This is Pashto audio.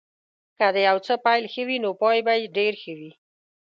که د یو څه پيل ښه وي نو پای به یې ډېر ښه وي.